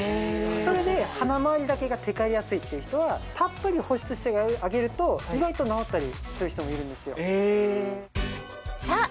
それで鼻まわりだけがテカリやすいっていう人はたっぷり保湿してあげると意外と治ったりする人もいるんですよさあ